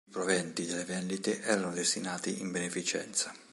I proventi delle vendite erano destinati in beneficenza.